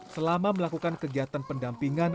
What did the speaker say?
selama melakukan kegiatan pendampingan